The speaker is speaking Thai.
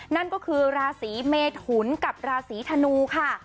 นั่นก็คือราศีเมทุนกับราศีธนูค่ะ